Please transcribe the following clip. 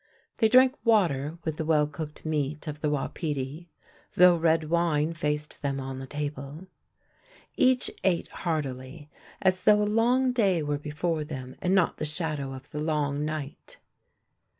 They drank water with the A FRAGMENT OF LIVES 279 well cooked meat of the wapiti, though red wine faced them on the table. Each ate heartily; as though a long day were before them and not the shadow of the Long Night.